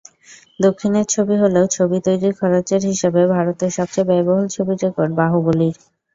দক্ষিণের ছবি হলেও ছবি তৈরির খরচের হিসাবে ভারতের সবচেয়ে ব্যয়বহুল ছবির রেকর্ড বাহুবলীর।